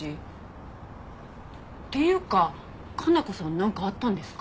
っていうか加奈子さんなんかあったんですか？